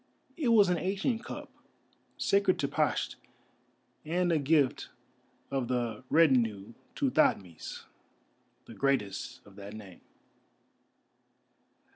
It was an ancient cup, sacred to Pasht, and a gift of the Rutennu to Thothmes, the greatest of that name.